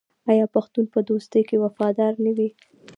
آیا پښتون په دوستۍ کې وفادار نه وي؟